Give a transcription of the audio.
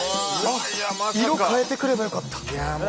色変えてくれば良かった。